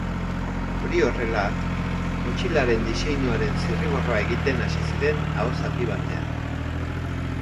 Hori horrela, motxilaren diseinuaren zirriborroa egiten hasi ziren ahozapi batean.